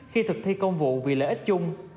khi thực thi công vụ vì lợi ích chung